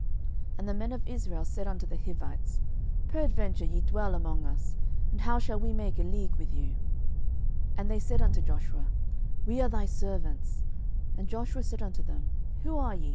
06:009:007 And the men of Israel said unto the Hivites, Peradventure ye dwell among us; and how shall we make a league with you? 06:009:008 And they said unto Joshua, We are thy servants. And Joshua said unto them, Who are ye?